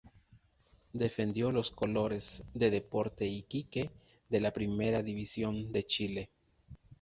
Defendió los colores de Deportes Iquique de la Primera División de Chile.